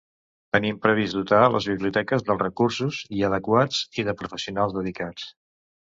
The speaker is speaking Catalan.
Tenim previst dotar les biblioteques dels recursos i adequats i de professionals dedicats.